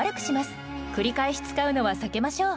繰り返し使うのは避けましょう。